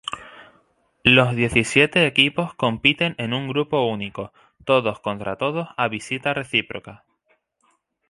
Los diecisiete equipos compiten en un grupo único, todos contra todos a visita reciproca.